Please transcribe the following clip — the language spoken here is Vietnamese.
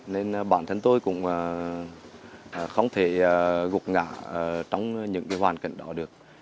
nên bản thân tôi cũng không thể gục ngã trong những hoàn cảnh đó được